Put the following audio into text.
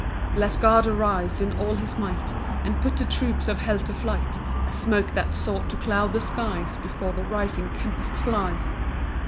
1 Let God arise in all his might, And put the troops of hell to flight, As smoke that sought to cloud the skies Before the rising tempest flies.